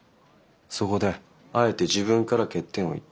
そこであえて自分から欠点を言った。